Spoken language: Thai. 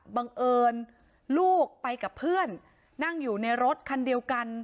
บังเอิญลูกไปกับเพื่อนนั่งอยู่ในรถคันเดียวกัน